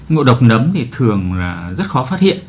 ngộ độc nấm thì thường rất khó phát hiện